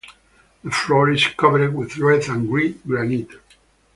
The floor is covered with red and grey granite.